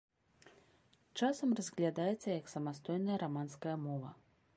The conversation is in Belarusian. Часам разглядаецца як самастойная раманская мова.